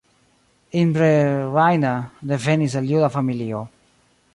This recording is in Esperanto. Imre Reiner devenis el juda familio.